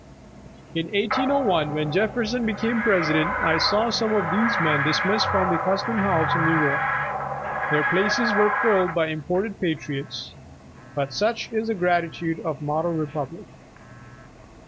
In 1801, when Jefferson became President, I saw some of these men dismissed from the Custom House in New York; their places were filled by imported patriots; but such is the gratitude of a model Republic.